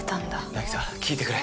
凪沙聞いてくれ。